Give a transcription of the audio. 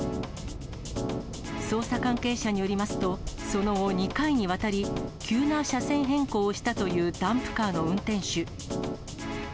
捜査関係者によりますと、その後２回にわたり、急な車線変更をしたというダンプカーの運転手。